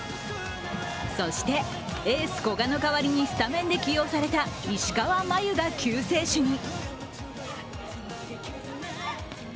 そして、エース・古賀の代わりにスタメンで起用された石川真佑が救世主に。